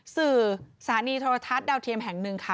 สถานีโทรทัศน์ดาวเทียมแห่งหนึ่งค่ะ